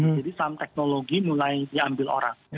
jadi saham teknologi mulai diambil orang